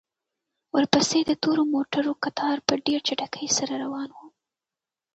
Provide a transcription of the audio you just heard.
ورپسې د تورو موټرو کتار په ډېرې چټکۍ سره روان و.